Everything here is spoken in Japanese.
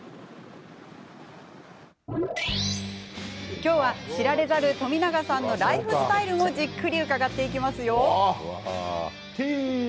今日は、知られざる冨永さんのライフスタイルもじっくり伺っていきますよ。